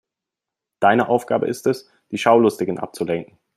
Deine Aufgabe ist es, die Schaulustigen abzulenken.